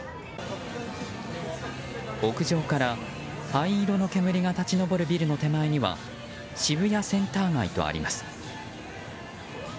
屋上から、灰色の煙が立ち上るビルの手前には渋谷センター街とあります。